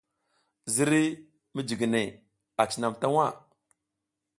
Ziriy mijiginey a cinam ta waʼa.